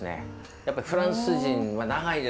やっぱりフランス人は長いです。